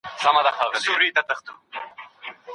او اسانتیاوې هم ډیرې دي.